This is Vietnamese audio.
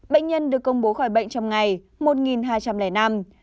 bệnh nhân được công bố khỏi bệnh trong ngày một hai trăm linh năm